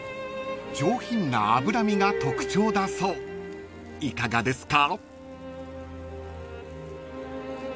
［上品な脂身が特徴だそういかがですか？］